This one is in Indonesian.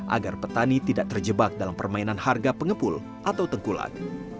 agar petani tidak terjebak dalam permainan harga pengepul atau tengkulak